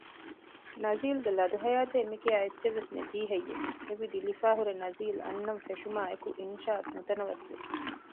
ނަޒީލްގެ ލަދު ހަޔާތޭ މިކިޔާ އެއްޗެއްވެސް ނެތީ ހެއްޔެވެ؟ ހެވިދިލިފައި ހުރެ ނަޒީލް އަންނަން ފެށުމާއެކު އިންޝާ ނުތަނަވަސްވި